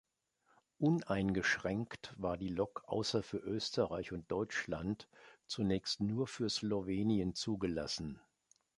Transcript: Uneingeschränkt war die Lok außer für Österreich und Deutschland zunächst nur für Slowenien zugelassen.